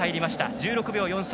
１６秒４３。